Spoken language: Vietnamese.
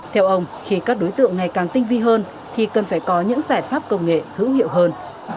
theo ông khi các đối tượng ngày càng tinh vi hơn thì cần phải có những giải pháp công nghệ hữu hiệu hơn